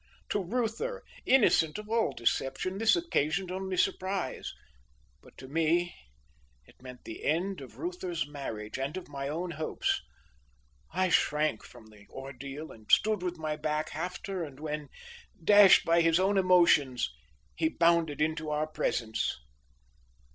To Reuther, innocent of all deception, this occasioned only surprise, but to me it meant the end of Reuther's marriage and of my own hopes. I shrank from the ordeal and stood with my back half turned when, dashed by his own emotions, he bounded into our presence.